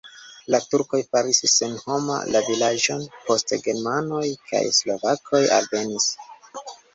La turkoj faris senhoma la vilaĝon, poste germanoj kaj slovakoj alvenis.